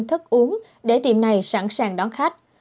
thức uống để tiệm này sẵn sàng đón khách